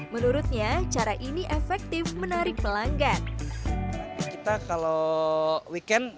menurutnya cara ini efektif menarik pelanggan